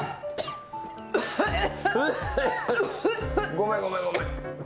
ごめんごめんごめん。